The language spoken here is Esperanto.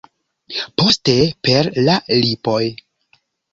Poste per la lipoj.